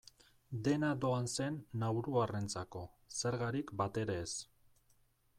Dena doan zen nauruarrentzako, zergarik batere ez.